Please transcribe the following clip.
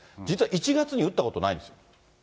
実は１月に撃ったことないんです。